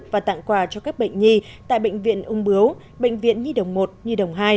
và tặng quà cho các bệnh nhi tại bệnh viện ung bướu bệnh viện nhi đồng một nhi đồng hai